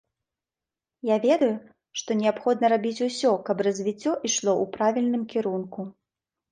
Я ведаю, што неабходна рабіць усё, каб развіццё ішло ў правільным кірунку.